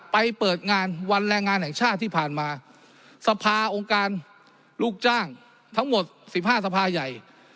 เปิดงานวันแรงงานแห่งชาติที่ผ่านมาสภาองค์การลูกจ้างทั้งหมดสิบห้าสภาใหญ่